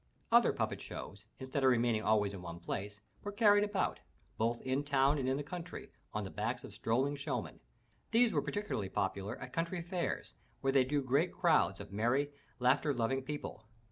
Other puppet shows, instead of remaining always in one place, were carried about, both in town and in the country, on the backs of strolling showmen. These were particularly popular at country fairs, where they drew great crowds of merry, laughter loving people.